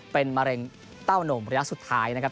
เป็นมะเร็งเต้านมระยะสุดท้ายนะครับ